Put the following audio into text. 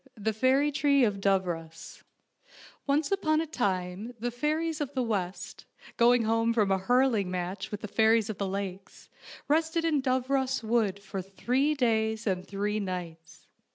THE FAIRY TREE OF DOOROS 10 ONCE upon a time the fairies of the west, going home from a hurling match with the fairies of the lakes, rested in Dooros Wood for three days and three nights.